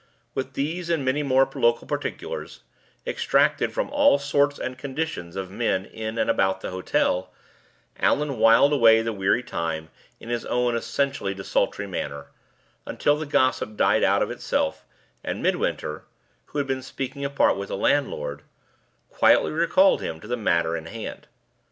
With these and many more local particulars, extracted from all sorts and conditions of men in and about the hotel, Allan whiled away the weary time in his own essentially desultory manner, until the gossip died out of itself, and Midwinter (who had been speaking apart with the landlord) quietly recalled him to the matter in hand.